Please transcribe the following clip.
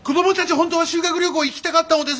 本当は修学旅行行きたかったのです！